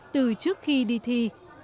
từ trước khi đi thi